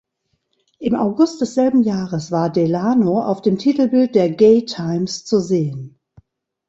Im August desselben Jahres war Delano auf dem Titelbild der "Gay Times" zu sehen.